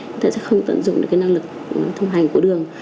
chúng ta sẽ không tận dụng được cái năng lực thông hành của đường